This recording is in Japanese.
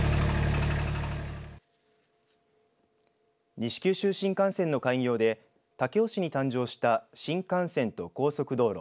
西九州新幹線の開業で武雄市に誕生した新幹線と高速道路